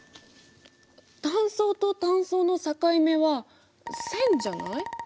単層と単層の境目は線じゃない？